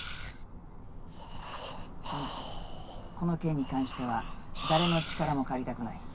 ごめんこの件に関しては誰の力も借りたくない。